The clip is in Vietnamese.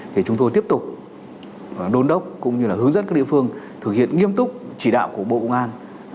thì chúng tôi tiếp tục đôn đốc cũng như là hướng dẫn các địa phương thực hiện nghiêm túc chỉ đạo của bộ công an